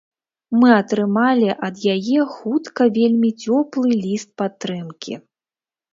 Мы атрымалі ад яе хутка вельмі цёплы ліст падтрымкі.